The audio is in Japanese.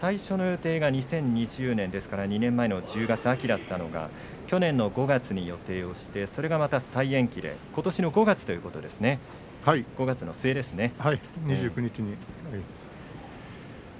最初の予定が２０２０年２年前の１０月秋だったのが去年の５月に予定をしてそれが再延期ことしの５月ということですね５月の末ですね。